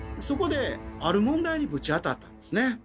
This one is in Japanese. そこである問題にぶち当たったんですね。